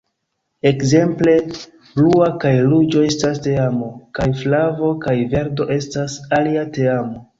Ekzemple Blua kaj Ruĝo estas teamo, kaj Flavo kaj Verdo estas alia teamo.